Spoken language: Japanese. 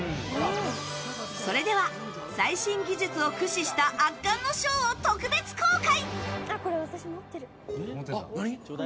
それでは、最新技術を駆使した圧巻のショーを特別公開。